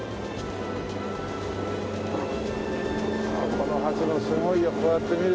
この橋もすごいよこうやって見るとね